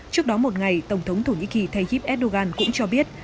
trước đó một ngày tổng thống thổ nhĩ kỳ tayyip erdogan cũng cho biết